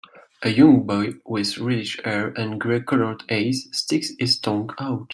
A young boy with reddish hair and gray colored eyes sticks his tongue out.